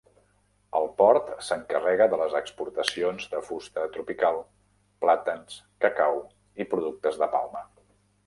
El port s'encarrega de les exportacions de fusta tropical, plàtans, cacau i productes de palma.